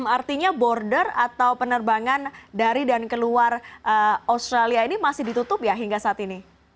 artinya border atau penerbangan dari dan keluar australia ini masih ditutup ya hingga saat ini